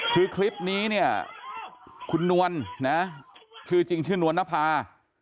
คือคลิปนี้เนี่ยคุณนวลนะชื่อจริงชื่อนวลนภา